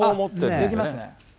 できますね。